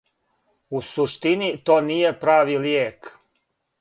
"У суштини, то није прави лијек."